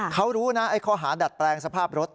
เขารู้นะไอ้ข้อหาดัดแปลงสภาพรถ